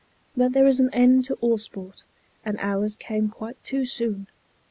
But there is an end to all sport, and ours came quite too soon.